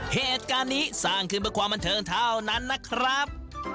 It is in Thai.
เหตุการณ์นี้สร้างขึ้นเพื่อความบันเทิงเท่านั้นนะครับ